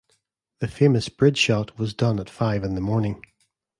The famous bridge shot was done at five in the morning.